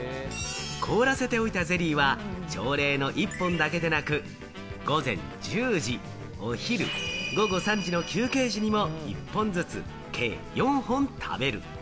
凍らせておいたゼリーは朝礼の１本だけでなく、午前１０時、お昼、午後３時の休憩時にも１本ずつ、計４本食べる。